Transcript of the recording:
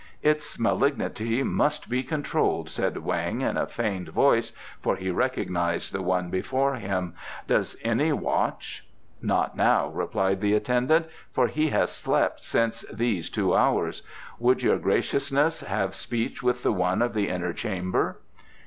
"Its malignity must be controlled," said Weng, in a feigned voice, for he recognized the one before him. "Does any watch?" "Not now," replied the attendant; "for he has slept since these two hours. Would your graciousness have speech with the one of the inner chamber?"